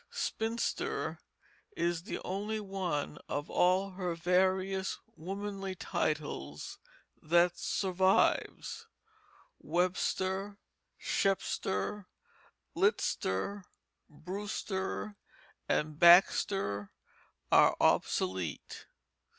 Spinster is the only one of all her various womanly titles that survives; webster, shepster, litster, brewster, and baxter are obsolete.